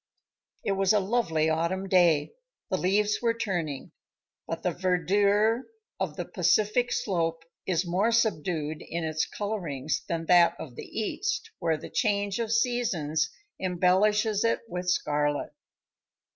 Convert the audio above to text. It was a lovely autumn day. The leaves were turning, but the verdure of the Pacific slope is more subdued in its colorings than that of the East, where the change of seasons embellishes it with scarlet.